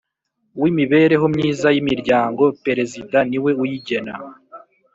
w imibereho myiza y imiryango Perezida niwe uyigena